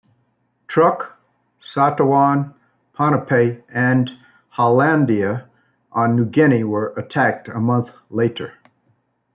Truk, Satawan, Ponape, and Hollandia on New Guinea were attacked a month later.